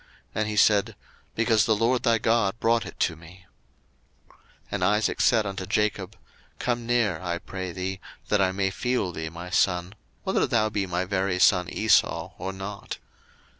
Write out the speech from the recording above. And he said, Because the LORD thy God brought it to me. 01:027:021 And Isaac said unto Jacob, Come near, I pray thee, that I may feel thee, my son, whether thou be my very son Esau or not.